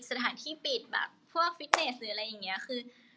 สถานที่ปิดแบบพวกฟิตเนสหรืออะไรอย่างนี้คือ